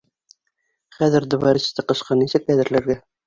Хәҙер дворецты ҡышҡа нисек әҙерләргә?